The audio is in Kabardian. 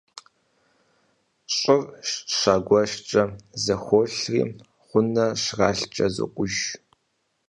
ЩӀыр щагуэшкӀэ зэхуолъри, гъунэ щралъкӀэ зокӀуж.